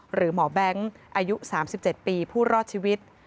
หรือหมอแบงค์อายุ๓๗ปีผู้รอดชีวิต